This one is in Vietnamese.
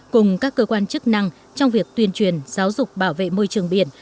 cùng các cơ quan chức năng trong việc tuyên truyền giáo dục bảo vệ môi trường biển